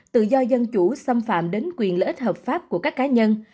tự do dân chủ xâm phạm đến quyền lợi ích hợp pháp của các cá nhân